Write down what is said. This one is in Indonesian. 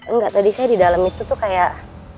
enggak tadi saya di dalam itu tuh kayak